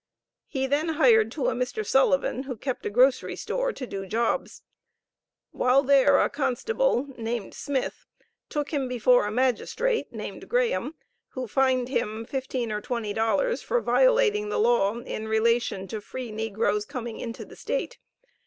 He then hired to a Mr. Sullivan, who kept a grocery store, to do jobs. While there, a constable, named Smith, took him before a magistrate named Graham, who fined him fifteen or twenty dollars for violating the law in relation to free negroes coming into the State.